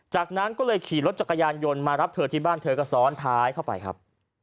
จากนั้นก็เลยขี่รถจักรยานยนต์มารับเธอที่บ้านเธอก็ซ้อนท้ายเข้าไปครับ